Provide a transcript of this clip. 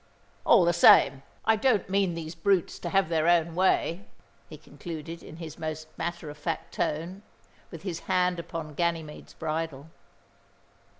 All the same, I don't mean these brutes to have their own way," he concluded in his most matter of fact tone, with his hand upon Ganymede's bridle.